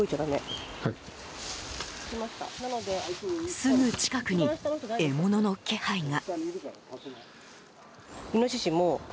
すぐ近くに獲物の気配が。